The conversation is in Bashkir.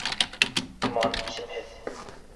Имән исемһеҙ.